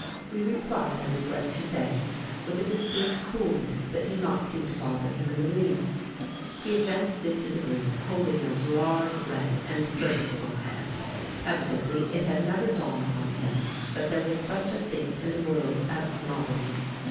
We replied, I regret to say, with a distinct coolness that did not seem to bother him in the least. He advanced into the room, holding out a large, red, and serviceable hand, evidently it had never dawned on him that there was such a thing in the world as snobbery.